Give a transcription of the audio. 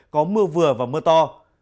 có mưa vừa và mưa to